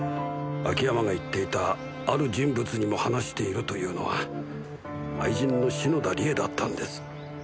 秋山が言っていた「ある人物にも話している」というのは愛人の篠田理恵だったんです。